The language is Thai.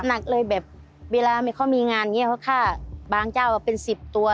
หนักเลยแบบเวลาเขามีงานเขาฆ่าบางเจ้าเป็นสิบตัว